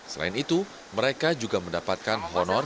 selain itu mereka juga mendapatkan honor